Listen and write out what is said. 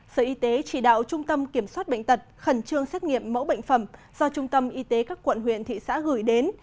sở y tế chỉ đạo trung tâm kiểm soát bệnh tật khẩn trương xét nghiệm mẫu bệnh phẩm do trung tâm y tế các quận huyện thị xã gửi đến